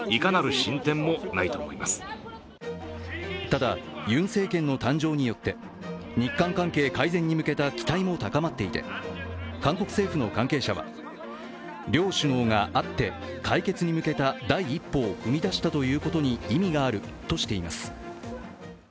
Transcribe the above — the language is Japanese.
ただ、ユン政権の誕生によって日韓関係改善に向けた期待も高まっていて韓国政府の関係者は、両首脳が会って解決に向けた第一歩を踏み出したということに意味があるとしています。